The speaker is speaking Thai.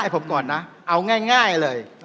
ผมก่อนนะเอาง่ายเลย